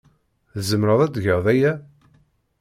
Tzemreḍ ad tgeḍ aya?